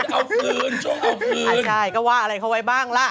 เอาคืนช่วงกลางคืนใช่ก็ว่าอะไรเขาไว้บ้างล่ะ